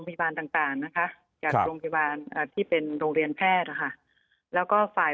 พยาบาลต่างนะคะจากโรงพยาบาลที่เป็นโรงเรียนแพทย์นะคะแล้วก็ฝ่าย